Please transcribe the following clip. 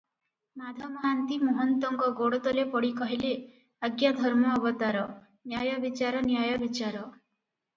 ମାଧ ମହାନ୍ତି ମହନ୍ତଙ୍କ ଗୋଡ଼ତଳେ ପଡ଼ି କହିଲେ, "ଆଜ୍ଞା ଧର୍ମ ଅବତାର! ନ୍ୟାୟବିଚାର, ନ୍ୟାୟ ବିଚାର ।